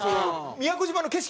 宮古島の景色